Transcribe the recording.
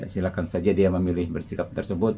silakan saja dia memilih bersikap tersebut